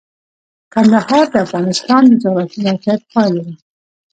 کندهار د افغانستان د جغرافیایي موقیعت پایله ده.